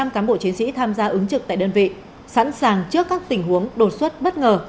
một trăm linh cán bộ chiến sĩ tham gia ứng trực tại đơn vị sẵn sàng trước các tình huống đột xuất bất ngờ